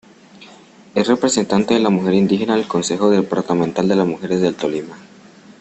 Es representante de la Mujer Indígena en el Consejo Departamental de Mujeres del Tolima.